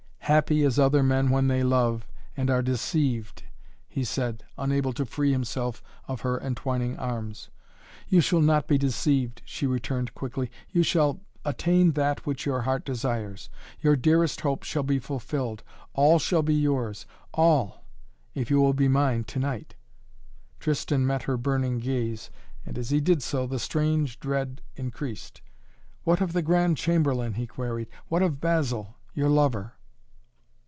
"Happy as other men when they love and are deceived," he said, unable to free himself of her entwining arms. "You shall not be deceived," she returned quickly. "You shall attain that which your heart desires. Your dearest hope shall be fulfilled, all shall be yours all if you will be mine to night." Tristan met her burning gaze, and as he did so the strange dread increased. "What of the Grand Chamberlain?" he queried. "What of Basil, your lover?"